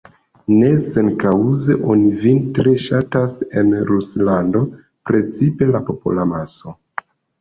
Ne senkaŭze oni vin tre ŝatas en Ruslando, precipe la popolamaso.